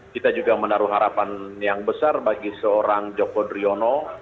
kita juga menaruh harapan yang besar bagi seorang joko driono